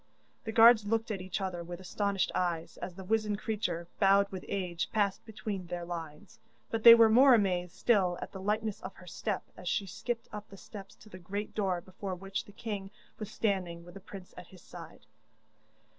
The guards looked at each other with astonished eyes, as the wizened creature, bowed with age, passed between their lines; but they were more amazed still at the lightness of her step as she skipped up the steps to the great door before which the king was standing, with the prince at his side.